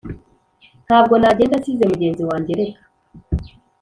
ntabwo nagenda nsize mugenzi wajye reka